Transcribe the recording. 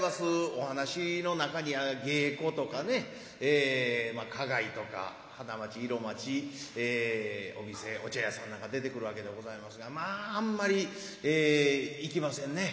お噺の中には芸子とかね花街とか花街色街お店お茶屋さんなんか出てくるわけでございますがまああんまり行きませんね。